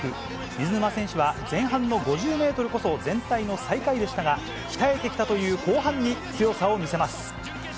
水沼選手は前半の５０メートルこそ全体の最下位でしたが、鍛えてきたという後半に強さを見せます。